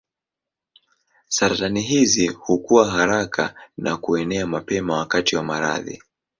Saratani hizi hukua haraka na kuenea mapema wakati wa maradhi.